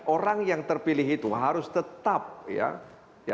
orang yang terpilih itu harus tetap ya